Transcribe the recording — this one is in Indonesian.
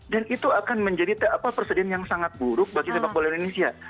dan itu akan menjadi persediaan yang sangat buruk bagi sepak bola indonesia